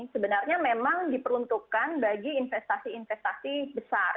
sebenarnya memang diperuntukkan bagi investasi investasi besar